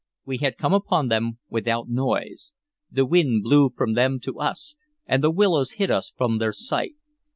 We had come upon them without noise; the wind blew from them to us, and the willows hid us from their sight.